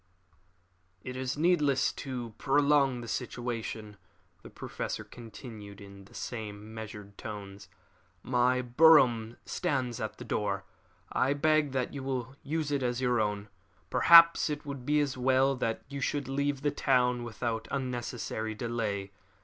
"It is needless to prolong the situation," the Professor continued, in the same measured tones. "My brougham stands at the door. I beg that you will use it as your own. Perhaps it would be as well that you should leave the town without unnecessary delay.